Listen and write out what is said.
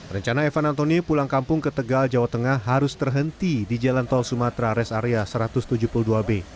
rencana evan antoni pulang kampung ke tegal jawa tengah harus terhenti di jalan tol sumatera rest area satu ratus tujuh puluh dua b